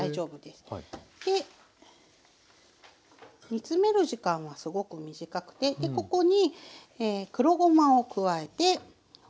煮詰める時間はすごく短くてここに黒ごまを加えて混ぜます。